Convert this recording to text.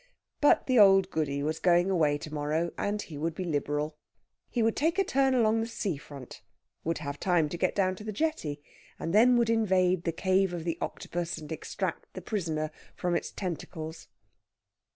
But the old Goody was going away to morrow, and he would be liberal. He would take a turn along the sea front would have time to get down to the jetty and then would invade the cave of the Octopus and extract the prisoner from its tentacles.